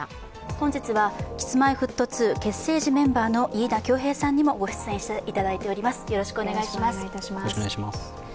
本日はＫｉｓ−Ｍｙ−Ｆｔ２結成時メンバーの飯田恭平さんにもご出演していただいています。